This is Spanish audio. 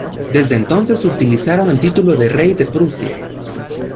Desde entonces utilizaron el título de "Rey de Prusia".